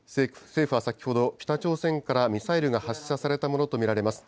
政府は先ほど、北朝鮮からミサイルが発射されたものと見られます。